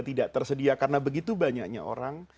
tidak tersedia karena begitu banyaknya orang